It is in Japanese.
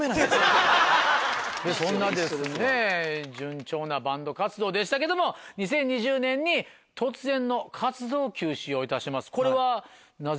そんな順調なバンド活動でしたけども２０２０年に突然の活動休止をいたします。